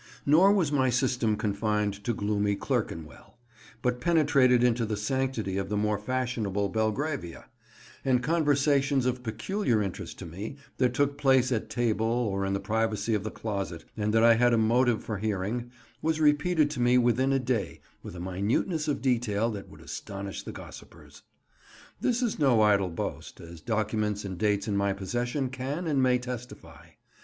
Nor was my system confined to gloomy Clerkenwell; but penetrated into the sanctity of the more fashionable Belgravia; and conversations of peculiar interest to me, that took place at table or in the privacy of the closet, and that I had a motive for hearing, were repeated to me within a day with a minuteness of detail that would astonish the gossipers. This is no idle boast, as documents and dates in my possession can and may testify.